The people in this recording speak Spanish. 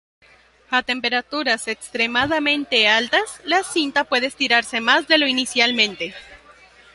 A temperaturas extremadamente altas, la cinta puede estirarse más de lo inicialmente.